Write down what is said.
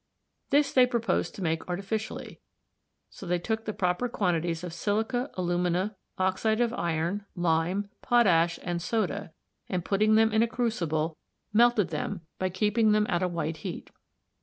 This they proposed to make artificially, so they took proper quantities of silica, alumina, oxide of iron, lime, potash, and soda, and putting them in a crucible, melted them by keeping them at a white heat.